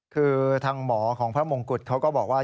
คือทางหมอของพระมงกุฎเขาก็บอกว่า